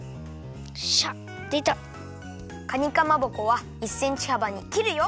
かにかまぼこは１センチはばにきるよ。